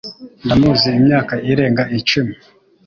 Ndamuzi imyaka irenga icumi.